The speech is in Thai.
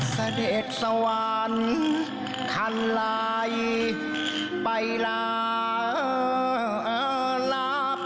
เสด็จสวรรค์คันลายไปลาลับ